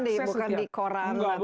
bukan di koran